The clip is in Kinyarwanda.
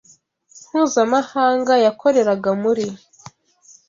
mpuzamahanga yakoreraga muri